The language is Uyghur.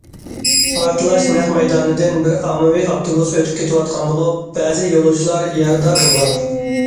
پارتلاش نەق مەيدانىدىن بىر ئاممىۋى ئاپتوبۇس ئۆتۈپ كېتىۋاتقان بولۇپ، بەزى يولۇچىلار يارىدار بولغان.